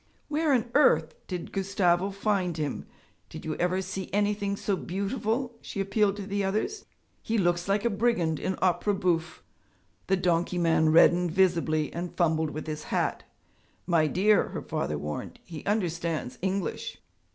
'Where on earth did Gustavo find him? Did you ever see anything so beautiful?' she appealed to the others. 'He looks like a brigand in opera bouffe.' The donkey man reddened visibly and fumbled with his hat. 'My dear,' her father warned, 'he understands English.'